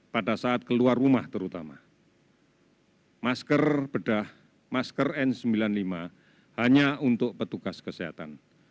masker bedah masker n sembilan puluh lima hanya untuk petugas kesehatan